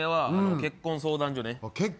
結婚相談所？